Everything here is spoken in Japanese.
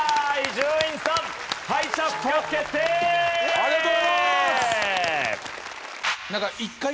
ありがとうございます！